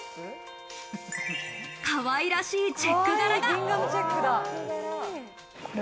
可愛らしいチェック柄が。